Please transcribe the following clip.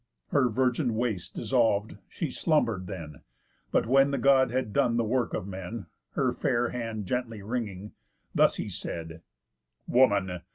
Her virgin waist dissolv'd, she slumber'd then; But when the God had done the work of men, Her fair hand gently wringing, thus he said: 'Woman!